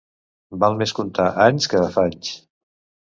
Val més comptar anys que afanys.